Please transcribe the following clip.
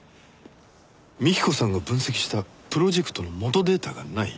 幹子さんが分析したプロジェクトの元データがない？